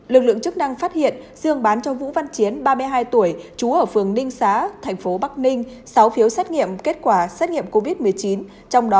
lực lượng chức năng phát hiện dương bán cho vũ văn chiến ba mươi hai tuổi trú ở phường ninh xá thành phố bắc ninh sáu phiếu xét nghiệm kết quả xét nghiệm covid một mươi chín